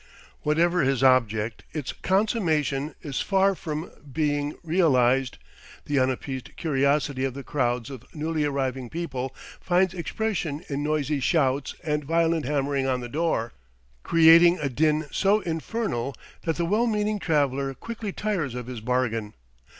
Whatever his object, its consummation is far from being realized; the unappeased curiosity of the crowds of newly arriving people finds expression in noisy shouts and violent hammering on the door, creating a din so infernal that the well meaning traveller quickly tires of his bargain.